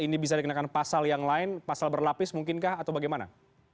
ini bisa dikenakan pasal yang lain pasal berlapis mungkinkah atau bagaimana